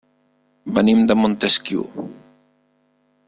Venim de Montesquiu.